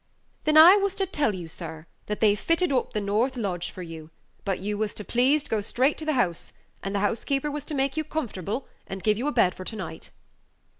"Then I was to tell you, sir, that they've fitted up the north lodge for you; but you was to please go straight to the house, and the housekeeper was to make you comfortable and give you a bed for to night."